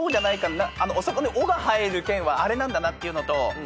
あそこに「お」が入る県はあれなんだなっていうのと。